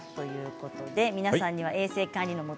皆さんには衛生管理のもの